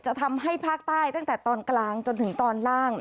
ทำให้ภาคใต้ตั้งแต่ตอนกลางจนถึงตอนล่าง